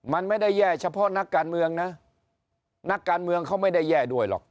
มันไม่ได้แย่เฉพาะนักการเมืองนะนักการเมืองเขาไม่ได้แย่ด้วยหรอก